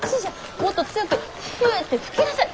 もっと強くふって吹きなさい。